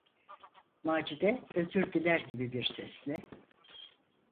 Macide özür diler gibi bir sesle: